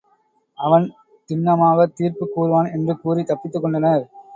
அவன் திண்ணமாகத் தீர்ப்புக் கூறுவான் என்று கூறித் தப்பித்துக் கொண்டனர்.